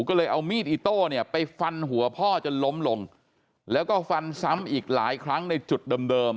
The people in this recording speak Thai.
ก็เลยเอามีดอิโต้เนี่ยไปฟันหัวพ่อจนล้มลงแล้วก็ฟันซ้ำอีกหลายครั้งในจุดเดิม